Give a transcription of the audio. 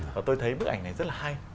và tôi thấy bức ảnh này rất là hay